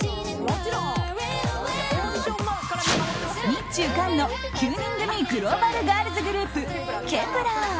日中韓の９人組グローバルガールズグループＫｅｐ１ｅｒ。